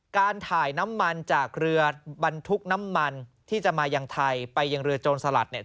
การถ่ายน้ำมันจากเรือบรรทุกน้ำมันที่จะมายังไทยไปยังเรือโจรสลัดเนี่ย